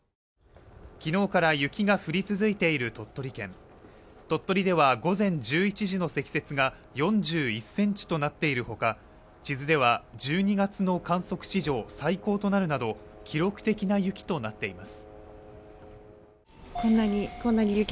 昨日から雪が降り続いている鳥取県鳥取では午前１１時の積雪が４１センチとなっているほか智頭では１２月の観測史上最高となるなど記録的な雪となっています